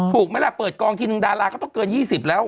ถูกไหมล่ะเปิดกองทีนึงดาราก็ต้องเกิน๒๐แล้ว